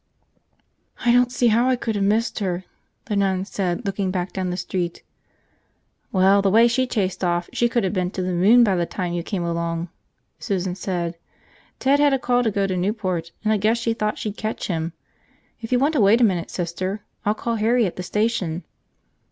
"I don't see how I could have missed her," the nun said, looking back down the street. "Well, the way she chased off, she could have been to the moon by the time you came along," Susan said. "Ted had a call to go to Newport, and I guess she thought she'd catch him. If you want to wait a minute, Sister, I'll call Harry at the station."